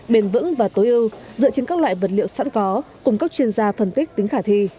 bền vững và tối ưu dựa trên các loại vật liệu sẵn có cùng các chuyên gia phân tích tính khả thi